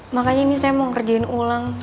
makanya ini saya mau ngerjain ulang